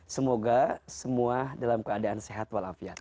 semoga semua dalam keadaan sehat walafiat